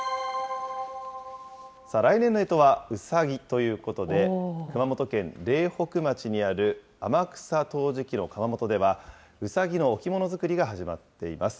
来年のえとはうさぎということで、熊本県苓北町にある天草陶磁器の窯元では、うさぎの置物作りが始まっています。